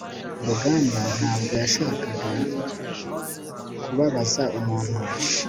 rugamba ntabwo yashakaga kubabaza umuntu